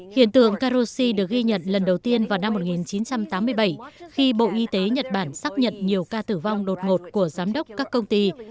hiện tượng carosi được ghi nhận lần đầu tiên vào năm một nghìn chín trăm tám mươi bảy khi bộ y tế nhật bản xác nhận nhiều ca tử vong đột ngột của giám đốc các công ty